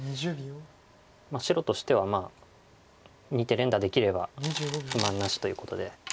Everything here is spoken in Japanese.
白としては２手連打できれば不満なしということで。